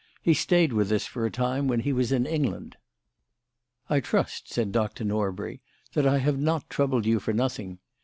He stayed with us for a time when he was in England." "I trust," said Dr. Norbury, "that I have not troubled you for nothing.